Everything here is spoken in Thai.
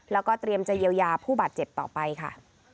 แล้วก็เตรียมจะเยียวยาผู้บาดเจ็บต่อไปค่ะ